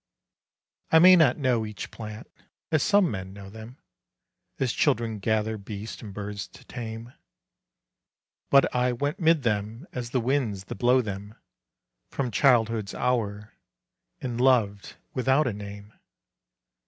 I may not know each plant as some men know them, As children gather beasts and birds to tame; But I went 'mid them as the winds that blow them, From childhood's hour, and loved without a name.